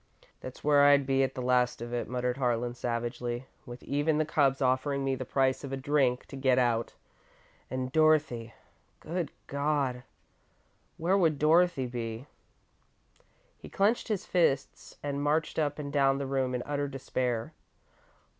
"That's where I'd be at the last of it," muttered Harlan, savagely, "with even the cubs offering me the price of a drink to get out. And Dorothy good God! Where would Dorothy be?" He clenched his fists and marched up and down the room in utter despair.